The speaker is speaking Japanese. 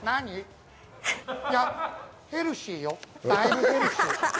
だいぶヘルシーよ。